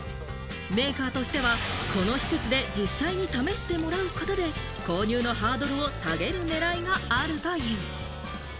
メーカーとしてはこの施設で実際に試してもらうことで、購入のハードルを下げるねらいがあるという。